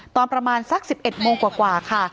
ตอนประมาณสัก๑๑โมงกว่าค่ะ